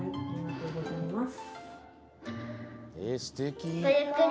えすてき！